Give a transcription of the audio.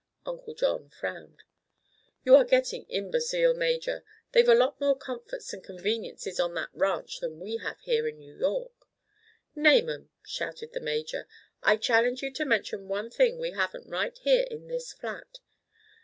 Uncle John frowned. "You are getting imbecile, Major. They've a lot more comforts and conveniences on that ranch than we have here in New York." "Name 'em!" shouted the Major. "I challenge ye to mention one thing we haven't right here in this flat."